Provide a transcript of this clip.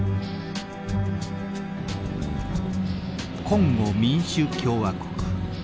コンゴ民主共和国。